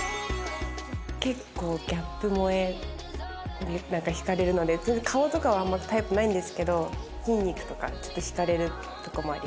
結構ギャップ萌え惹かれるので顔とかあんまタイプないんですけど筋肉とかちょっと惹かれるとこもあります。